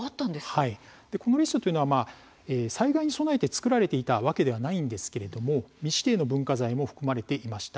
このリストは災害に備えて作られたわけではないのですが未指定の文化財も含まれていました。